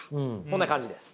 こんな感じです。